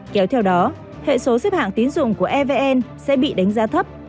kéo theo đó hệ số xếp hạng tín dụng của evn sẽ bị đánh giá thấp